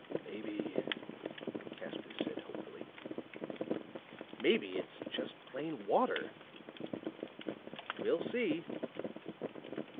"Maybe," Casker said hopefully, "maybe it's just plain water!" "We'll see."